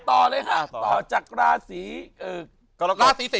โอ้โห